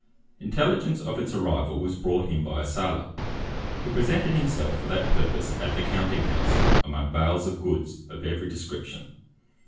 Intelligence of its arrival was brought him by a sailor, who presented himself for that purpose at the counting house, among bales of goods of every description.